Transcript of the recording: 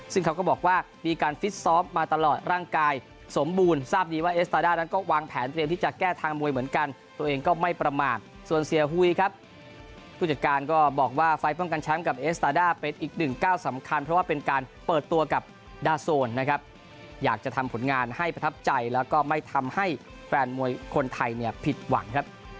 ส่วนเสียหุ้ยครับตู้จัดการก็บอกว่าไฟล์ต้องการช้ำกับเอสตาด่าเป็นอีกหนึ่งก้าวสำคัญเพราะว่าเป็นการเปิดตัวกับดาโซนนะครับอยากจะทำผลงานให้ประทับใจแล้วก็ไม่ทำให้แฟนมวยคนไทยเนี่ยผิดหวังครับ